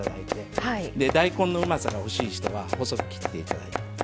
大根のうまさが欲しい人は細く切って頂いて。